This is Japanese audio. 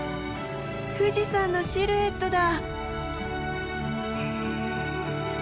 富士山のシルエットだ！